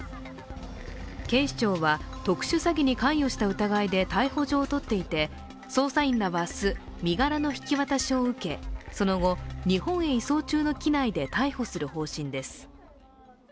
警視庁は特殊詐欺に関与した疑いで逮捕状を取っていて、捜査員らは明日、身柄の引き渡しを受けその後、日本へ移送中の機内で逮捕する方針です。